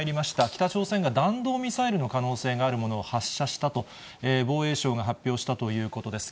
北朝鮮が弾道ミサイルの可能性があるものを発射したと、防衛省が発表したということです。